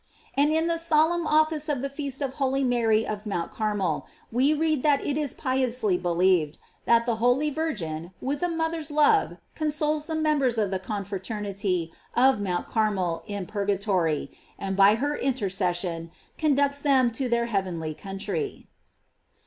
And in the solemn office of the feast of holy Mary of Mount Carmel, we read that it is pious ly believed, that the holy Virgin, with a moth er's love consoles the members of the confrater nity of Mount Carmel in purgatory, and by her intercession conducts them to their heavenly country.